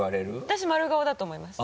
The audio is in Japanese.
私丸顔だと思います。